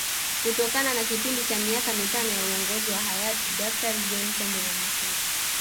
Kutokana na kipindi cha miaka mitano ya Uongozi wa Hayati Daktari John Pombe Magufuli